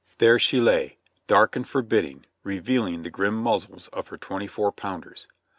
There she lay, dark and forbidding, revealing the grim muzzles of her twenty four pounders.